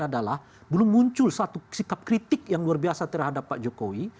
adalah belum muncul satu sikap kritik yang luar biasa terhadap pak jokowi